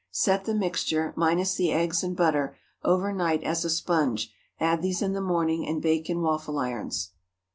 Set the mixture—minus the eggs and butter—over night as a sponge; add these in the morning, and bake in waffle irons.